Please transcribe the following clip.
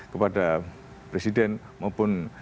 kepada presiden maupun